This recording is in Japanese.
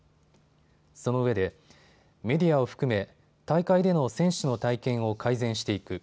そのうえでメディアを含め大会での選手の体験を改善していく。